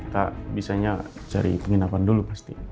tak bisanya cari penginapan dulu pasti